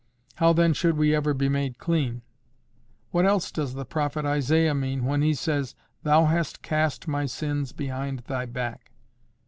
How then should we ever be made clean?—What else does the prophet Isaiah mean when he says, 'Thou hast cast my sins behind Thy back?